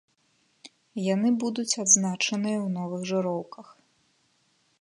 Яны будуць адзначаныя ў новых жыроўках.